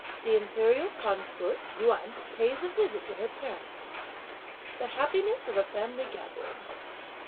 The Imperial consort Yuan pays a visit to her parents. The happiness of a family gathering.